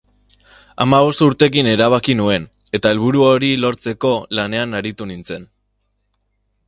Hamabost urterekin erabaki nuen eta helburu hori lortzeko lanean aritu nintzen.